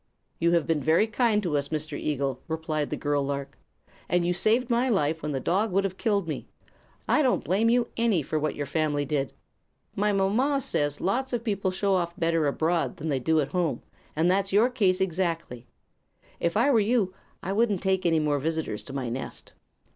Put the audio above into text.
"You have been very kind to us, Mr. Eagle," replied the girl lark, "and you saved my life when the dog would have killed me. I don't blame you any for what your family did. My mama says lots of people show off better abroad than they do at home, and that's your case exactly. If I were you I wouldn't take any more visitors to my nest."